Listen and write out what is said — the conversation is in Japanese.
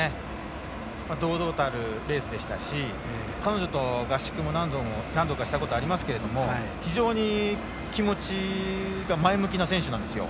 堂々たるレースでしたし彼女と、合宿も何度もしたことありますが非常に気持ちが前向きな選手なんですよ。